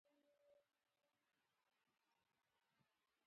پښتانه به په میړانه جنګېدلې.